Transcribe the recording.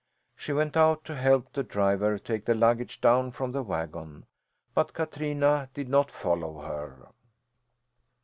She went out to help the driver take the luggage down from the wagon, but Katrina did not follow her.